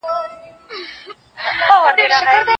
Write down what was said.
د ملګرو غلطۍ مه پټوئ.